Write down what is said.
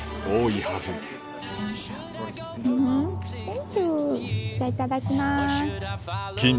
いただきます。